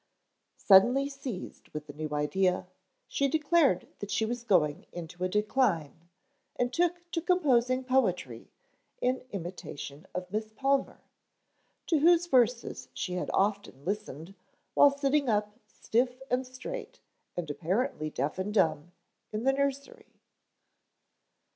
Suddenly seized with a new idea, she declared that she was going into a decline and took to composing poetry in imitation of Miss Palmer, to whose verses she had often listened while sitting up stiff and straight and apparently deaf and dumb in the nursery.